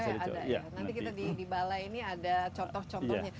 nanti kita di balai ini ada contoh contohnya